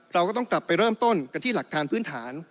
เราก็ต้องกลับไปเริ่มต้นกันที่หลักการพื้นฐาน